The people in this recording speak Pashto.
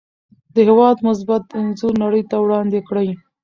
د هېواد مثبت انځور نړۍ ته وړاندې کړئ.